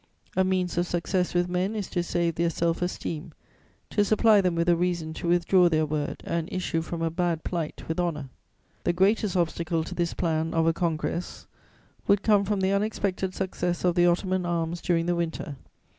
A means of success with men is to save their self esteem, to supply them with a reason to withdraw their word and issue from a bad plight with honour. [Sidenote: And reflections.] "The greatest obstacle to this plan of a congress would come from the unexpected success of the Ottoman arms during the winter.